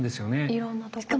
いろんなところに。